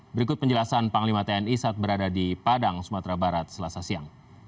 berikut penjelasan panglima tni saat berada di padang sumatera barat selasa siang